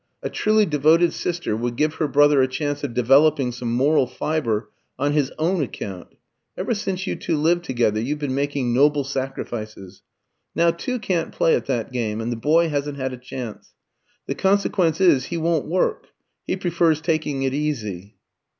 A truly devoted sister would give her brother a chance of developing some moral fibre on his own account. Ever since you two lived together you've been making noble sacrifices. Now two can't play at that game, and the boy hasn't had a chance. The consequence is, he won't work; he prefers taking it easy."